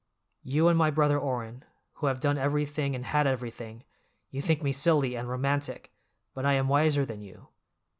You and my brother Orrin, who have done everything and had everything, you think me silly and romantic, but I am wiser than you.